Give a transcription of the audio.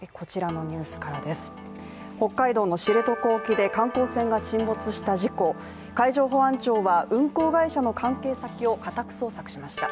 北海道の知床沖で観光船が沈没した事故で海上保安庁は、運航会社の関係先を家宅捜索しました。